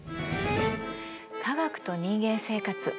「科学と人間生活」